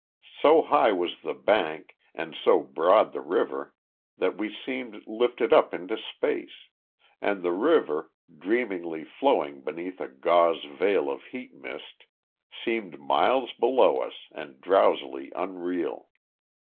So high was the bank, and so broad the river, that we seemed lifted up into space, and the river, dreamily flowing beneath a gauze veil of heat mist, seemed miles below us and drowsily unreal.